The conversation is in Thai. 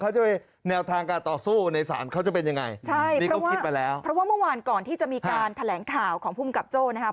ใช่เพราะว่าเมื่อวานก่อนที่จะมีการแถลงข่าวของผู้กำกับโจ้นะครับ